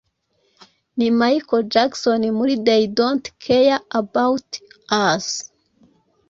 ni Michael Jackson muri They don’t care about us